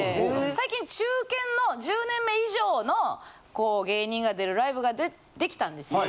最近中堅の１０年目以上のこう芸人が出るライブができたんですよ。